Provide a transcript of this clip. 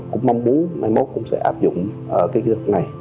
cũng mong muốn mai mốt cũng sẽ áp dụng kỹ thuật này